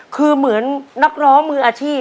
โปรดติดตามต่อไป